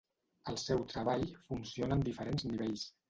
El seu treball funciona en diferents nivells.